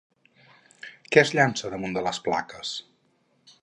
Què es llança damunt de les plaques?